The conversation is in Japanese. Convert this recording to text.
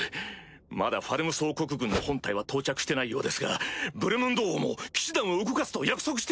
まだファルムス王国軍の本隊は到着してないようですがブルムンド王も騎士団を動かすと約束してくれた！